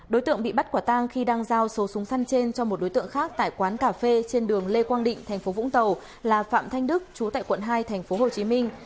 đối tượng bị bắt quả tang khi đang giao số súng săn trên cho một đối tượng khác tại quán cà phê trên đường lê quang định thành phố vũng tàu là phạm thanh đức chú tại quận hai thành phố hồ chí minh